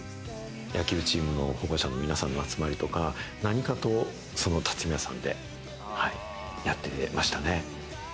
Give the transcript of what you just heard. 野球チームの保護者の皆さんの集まりとか、何かと、たつみやさんでやってましたね。